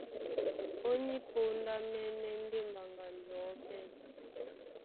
Ó ní póndá mɛ́nɛ́ ndé mbaŋga njɔ̌ pɛ́,